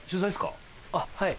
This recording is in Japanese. あっはい。